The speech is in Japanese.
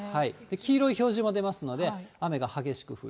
黄色い表示も出ますので、雨が激しく降る。